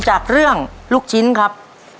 จากเรื่องลูกชิ้นครับ